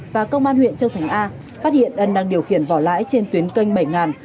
và công an huyện châu thành a phát hiện ân đang điều khiển vỏ lãi trên tuyến kênh bảy